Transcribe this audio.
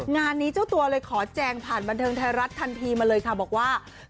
งานนี้เจ้าตัวเลยขอแจงผ่านบันเทิงไทยรัฐทันทีมาเลยค่ะบอกว่า